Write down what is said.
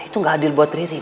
itu gak adil buat riri